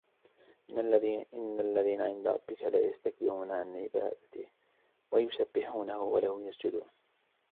إِنَّ الَّذِينَ عِنْدَ رَبِّكَ لَا يَسْتَكْبِرُونَ عَنْ عِبَادَتِهِ وَيُسَبِّحُونَهُ وَلَهُ يَسْجُدُونَ